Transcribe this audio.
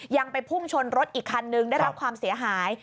ยังไปพุ่งชนรถอีกคันนึงได้รับความเสียหาย